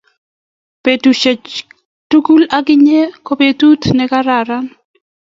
petusiek tugul ak inye ko petut ne kararan